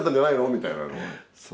みたいなのは。